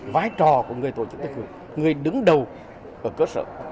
vái trò của người tổ chức thực hiện người đứng đầu ở cơ sở